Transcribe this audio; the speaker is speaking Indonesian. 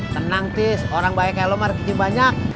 tenang tis orang baik kayak lo mereka kucing banyak